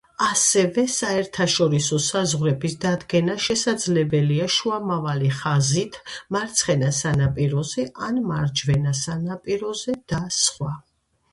ასევე საერთაშორისო საზღვრების დადგენა შესაძლებელია შუამავალი ხაზით, მარცხენა სანაპიროზე, ან მარჯვენა სანაპიროზე და სხვა.